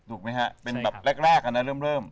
ถูกมั้ยฮะเป็นแบบแรกอ่ะนะเริ่ม